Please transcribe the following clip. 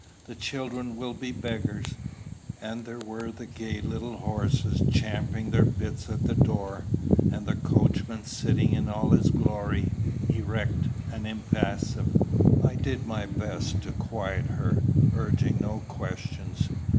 The children will be beggars." And there were the gay little horses champing their bits at the door, and the coachman sitting in all his glory, erect and impassive! I did my best to quiet her, urging no questions.